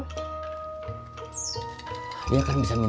berdua sama kofifah temeneng